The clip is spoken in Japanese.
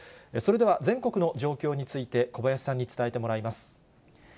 それでは全国の状況について、小林さんに伝えてもらいます。